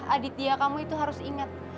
aditya kamu itu harus ingat